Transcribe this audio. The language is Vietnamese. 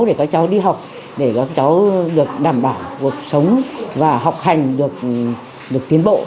để các cháu đi học để các cháu được đảm bảo cuộc sống và học hành được tiến bộ